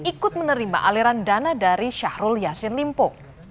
ikut menerima aliran dana dari syahrul yassin limpo